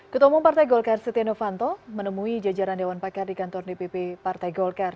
ketua umum partai golkar setia novanto menemui jajaran dewan pakar di kantor dpp partai golkar